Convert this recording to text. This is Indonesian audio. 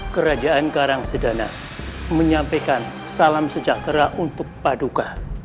kerajaan karangsedana menyampaikan salam sejahtera untuk paduka